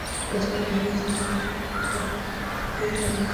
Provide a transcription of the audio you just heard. که ستونزه رامنځته شي، سمدلاسه یې حل کړئ، مه یې ځنډوئ.